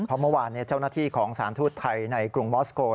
เพราะเมื่อวานเจ้าหน้าที่ของสารทูตไทยในกรุงมอสโก